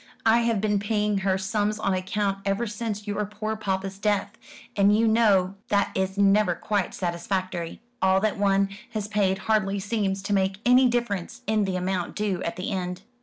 I have been paying her sums on account ever since your poor papa's death; and you know that is never quite satisfactory. All that one has paid hardly seems to make any difference in the amount due at the end."